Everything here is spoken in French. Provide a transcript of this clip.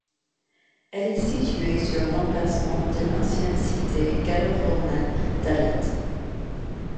Elle est située sur l'emplacement de l'ancienne cité gallo-romaine d'Aleth.